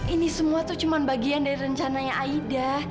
ini semua tuh cuma bagian dari rencananya aida